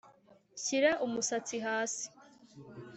shira umusatsi hasi.